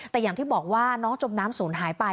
แต่อย่างที่บอกว่าน้องจมน้ำศูนย์หายไป